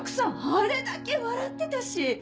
あれだけ笑ってたし。